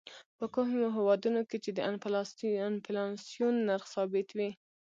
په کومو هېوادونو کې چې د انفلاسیون نرخ ثابت وي.